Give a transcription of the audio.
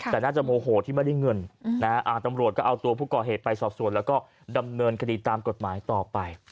แต่น่าจะโมโหที่ไม่ได้เงินตำรวจก็เอาตัวผู้ก่อเหตุไปสอบส่วนแล้วก็ดำเนินคดีตามกฎหมายต่อไป